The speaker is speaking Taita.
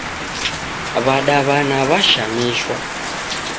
W'adaw'ana w'ashamishwa